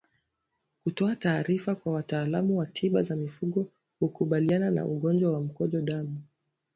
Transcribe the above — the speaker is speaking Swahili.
Kutoa taarifa kwa wataalamu wa tiba za mifugo hukabiliana na ugonjwa wa mkojo damu